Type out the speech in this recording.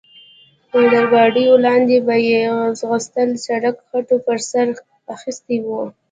تر ګاډیو لاندې به یې ځغستل، سړک خټو پر سر اخیستی و.